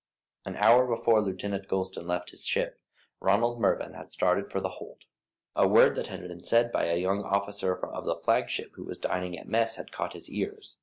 An hour before Lieutenant Gulston left his ship, Ronald Mervyn had started for The Hold. A word that had been said by a young officer of the flagship who was dining at mess had caught his ears.